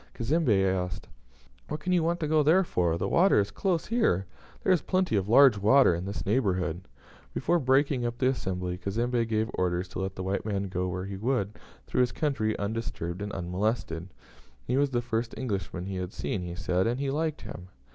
Cazembe asked, "What can you want to go there for? The water is close here. There is plenty of large water in this neighbourhood." Before breaking up the assembly, Cazembe gave orders to let the white man go where he would through his country undisturbed and unmolested. He was the first Englishman he had seen, he said, and he liked him.